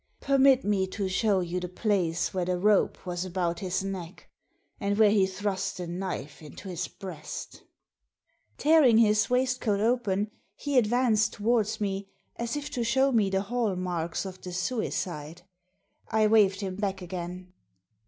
Permit me to show you the place where the rope was about his neck, and where he thrust the knife into his breast" Tearing his waistcoat open he advanced towards me, as if to show me the hall marks of the suicide. I waved him back again.